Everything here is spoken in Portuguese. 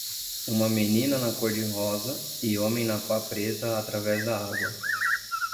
Uma menina na cor-de-rosa e homem na pá preta através da água.